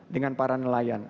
dengan para nelayan